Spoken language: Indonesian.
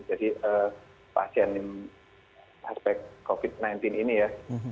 jadi pasien aspek covid sembilan belas ini ya